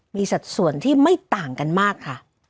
มีสัดส่วนที่ไม่ต่างกันมากค่ะ